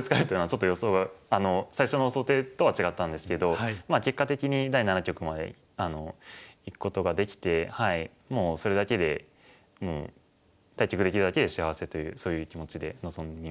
最初の想定とは違ったんですけど結果的に第七局までいくことができてもうそれだけで対局できるだけで幸せというそういう気持ちで臨みました最後は。